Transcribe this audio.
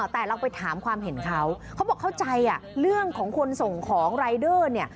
แต่เราไปถามความเห็นเขาเขาบอกเข้าใจเรื่องของคนส่งของรายเดอร์เนี่ย